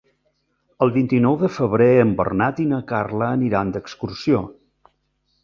El vint-i-nou de febrer en Bernat i na Carla aniran d'excursió.